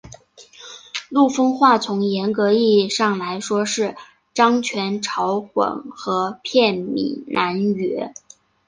陆丰话从严格意义上来说是漳泉潮混合片闽南语。